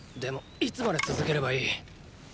いつまで続ければいい⁉